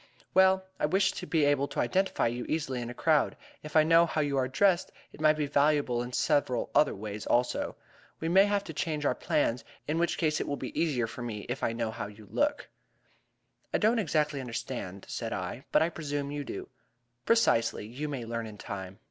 "Well, I wish to be able to identify you easily in a crowd. If I know how you are dressed, it might be valuable in several other ways also. We may have to change our plans, in which event it will be easier for me if I know how you look." "I do not exactly understand," said I, "but I presume you do." "Precisely. You may learn in time."